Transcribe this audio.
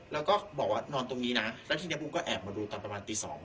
แล้วก็บอกว่านอนตรงนี้นะแล้วทีนี้บูมก็แอบมาดูตอนประมาณตี๒